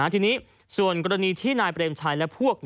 ทีนี้ส่วนกรณีที่นายเปรมชัยและพวก